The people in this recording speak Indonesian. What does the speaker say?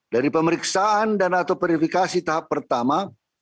dari pemeriksaan dan atau verifikasi tahap pertama